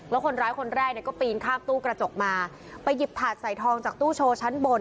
แล้วคนร้ายคนแรกเนี่ยก็ปีนข้ามตู้กระจกมาไปหยิบถาดใส่ทองจากตู้โชว์ชั้นบน